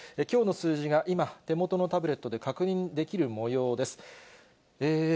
きょうの数字が今、手元のタブレットで確認できるもようです。